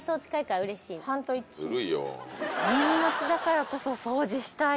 年末だからこそ掃除したい